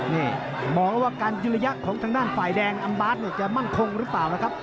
นี่มองแล้วว่าการยืนระยะของทางด้านฝ่ายแดงอัมบาร์ดเนี่ยจะมั่นคงหรือเปล่านะครับ